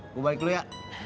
gue balik dulu ya